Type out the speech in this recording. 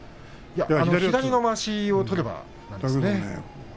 左のまわしを取ればですよね。